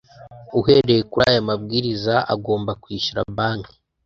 Uhereye kuri aya mabwiriza agomba kwishyura Banki